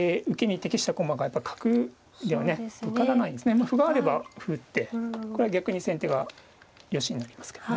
まあ歩があれば歩を打ってこれは逆に先手がよしになりますけども。